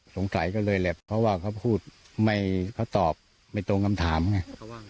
สงสัยก็เลยแหละเพราะว่าเขาพูดไม่เขาตอบไม่ตรงคำถามไง